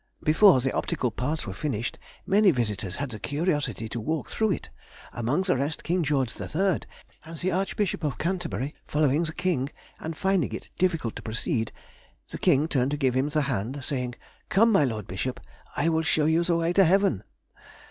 Before the optical parts were finished, many visitors had the curiosity to walk through it, among the rest King George III., and the Archbishop of Canterbury, following the King, and finding it difficult to proceed, the King turned to give him the hand, saying, "Come, my Lord Bishop, I will show you the way to Heaven!"